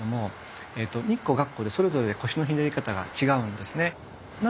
日光月光でそれぞれ腰のひねり方が違うんですね。